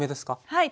はい。